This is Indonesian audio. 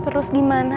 terus gimana a